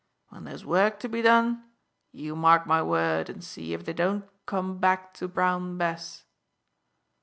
When there's work to be done, you mark my word and see if they don't come back to brown Bess."